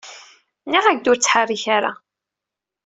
Nniɣ-ak-d ur ttḥerrik ara.